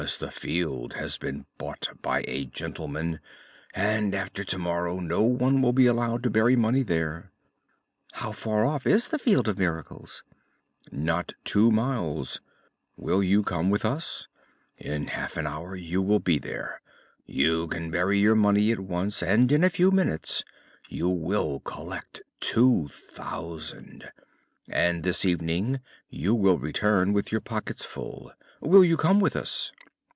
"Because the field has been bought by a gentleman and after tomorrow no one will be allowed to bury money there." "How far off is the Field of Miracles?" "Not two miles. Will you come with us? In half an hour you will be there. You can bury your money at once, and in a few minutes you will collect two thousand, and this evening you will return with your pockets full. Will you come with us?"